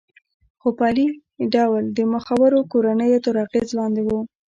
خو په عملي ډول د مخورو کورنیو تر اغېز لاندې وه